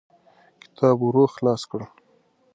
کتاب ورو خلاص کړه.